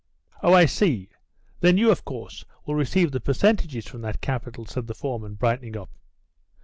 "Oh, I see; then you, of course, will receive the percentages from that capital," said the foreman, brightening up.